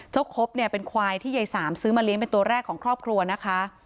ครบเนี่ยเป็นควายที่ยายสามซื้อมาเลี้ยงเป็นตัวแรกของครอบครัวนะคะ